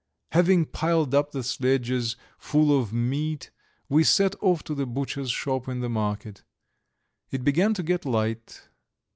Having piled up the sledges full of meat we set off to the butcher's shop in the market. It began to get light.